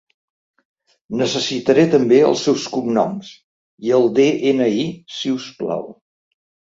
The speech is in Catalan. Necessitaré també els seus cognoms i el de-ena-i, si us plau.